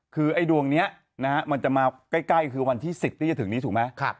คือไอ่ดวงนี้นะครับมันจะมันใกล้วันที่๑๐ได้จะโดยถึงนี้ถูกไหม